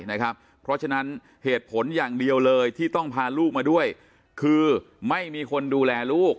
เพราะฉะนั้นเหตุผลอย่างเดียวเลยที่ต้องพาลูกมาด้วยคือไม่มีคนดูแลลูก